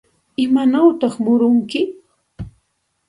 ¿Imawantaq murunki?